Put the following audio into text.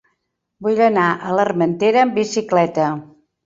Vull anar a l'Armentera amb bicicleta.